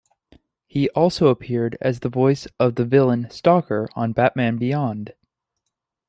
He also appeared as the voice of the villain Stalker on "Batman Beyond".